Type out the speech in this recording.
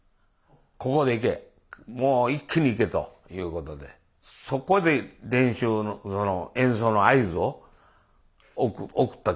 ここで行けもう一気に行けということでそこで演奏の合図を送った。